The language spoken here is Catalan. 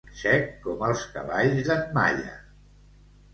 Sec com els cavalls d'en Malla.